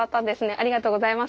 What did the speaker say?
ありがとうございます。